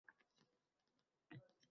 Ishlab chiqish shuncha muddatni talab etdi.